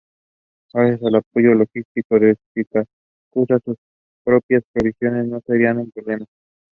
Typical plots involved them being mistaken for one another or deliberately swapping.